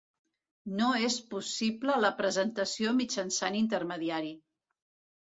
No és possible la presentació mitjançant intermediari.